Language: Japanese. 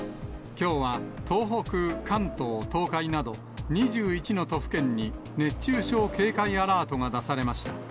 きょうは東北、関東、東海など、２１の都府県に熱中症警戒アラートが出されました。